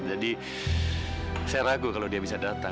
jadi saya ragu kalau dia bisa datang